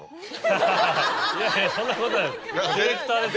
いやいやそんなことないディレクターです。